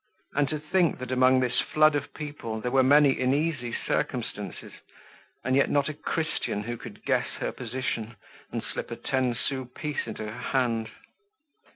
And to think that among this flood of people there were many in easy circumstances, and yet not a Christian who could guess her position, and slip a ten sous piece into her hand!